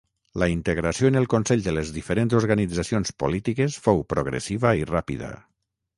La integració en el Consell de les diferents organitzacions polítiques fou progressiva i ràpida.